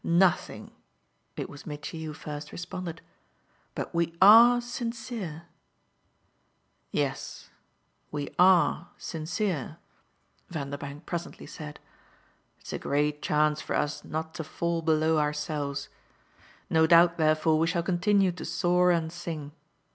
"Nothing!" it was Mitchy who first responded. "But we ARE sincere." "Yes, we ARE sincere," Vanderbank presently said. "It's a great chance for us not to fall below ourselves: no doubt therefore we shall continue to soar and sing.